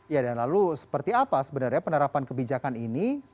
ya dan lalu seperti apa sebenarnya penerapan kebijakan ini